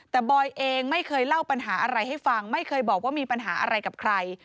แต่บอยเองไม่เคยเล่าปัญหาอะไรให้ฟังไม่เคยบอกว่ามีปัญหาอะไรกับใคร